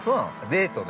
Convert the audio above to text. デートね。